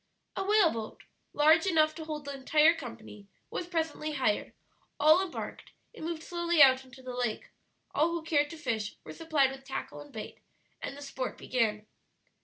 A whaleboat, large enough to hold the entire company, was presently hired; all embarked; it moved slowly out into the lake; all who cared to fish were supplied with tackle and bait, and the sport began.